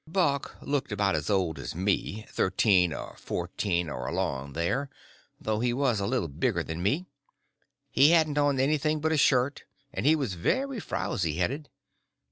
Buck looked about as old as me—thirteen or fourteen or along there, though he was a little bigger than me. He hadn't on anything but a shirt, and he was very frowzy headed.